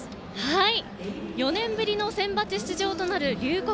４年ぶりのセンバツ出場となる龍谷